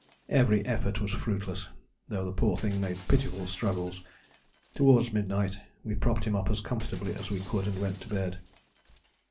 Every effort was fruitless, though the poor thing made pitiful struggles. Towards midnight we propped him up as comfortably as we could and went to bed.